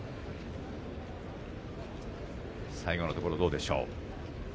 最後のところ、どうでしょうか。